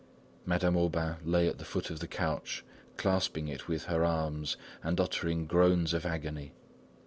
Madame Aubain lay at the foot of the couch, clasping it with her arms and uttering groans of agony.